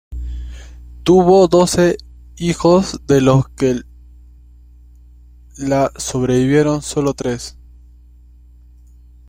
Tuvo doce hijos de los que la sobrevivieron sólo tres.